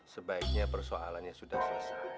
sebaiknya persoalannya sudah selesai